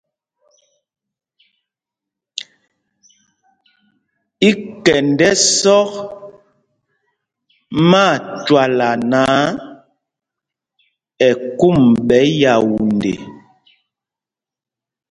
Í kɛnd ɛ́sɔ́k mi Átwôla náǎ, ɛ kûm ɓɛ Yaunde.